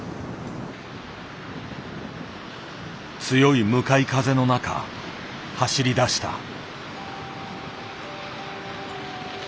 強い向かい風の中走り出した。